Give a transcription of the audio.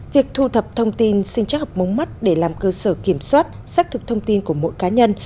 việc thu thập thông tin sinh chắc học mống mắt để làm cơ sở kiểm soát xác thực thông tin của mỗi cá nhân